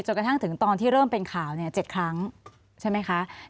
กระทั่งถึงตอนที่เริ่มเป็นข่าว๗ครั้งใช่ไหมคะ